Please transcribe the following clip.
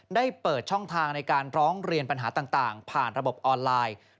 ได้เปิดช่องทางในการร้องเรียนปัญหาต่างผ่านระบบออนไลน์